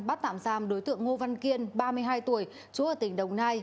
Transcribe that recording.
bắt tạm giam đối tượng ngô văn kiên ba mươi hai tuổi trú ở tỉnh đồng nai